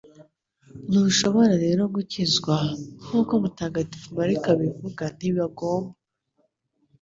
Ntushobora rero gukizwa, nkuko Mutagatifu Mariko abivuga ntibagomba.